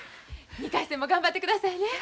２回戦も頑張ってくださいね。